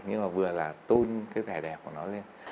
nhưng mà vừa là tôn cái vẻ đẹp của nó lên